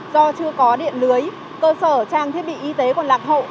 do chưa có điện lưới cơ sở trang thiết bị y tế còn lạc hậu